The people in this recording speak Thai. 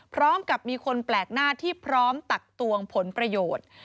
พร้อมกับมีคนแปลกหน้าที่พร้อมตักตวงผลประโยชน์